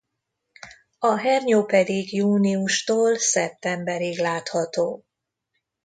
A hernyó pedig júniustól szeptemberig látható.